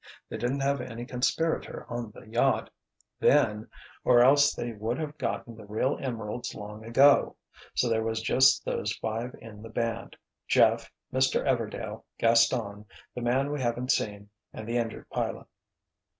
They didn't have any conspirator on the yacht—then—or else they would have gotten the real emeralds long ago. So there was just those five in the band—Jeff, Mr. 'Everdail,' Gaston, the man we haven't seen, and the injured pilot."